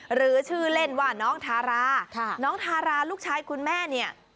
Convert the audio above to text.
หรือชื่อเล่นว่าน้องทาราน้องทาราลูกชายคุณแม่เนี่ย